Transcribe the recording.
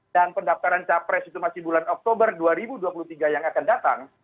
pendaftaran capres itu masih bulan oktober dua ribu dua puluh tiga yang akan datang